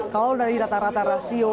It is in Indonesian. kalau dari rata rata rasio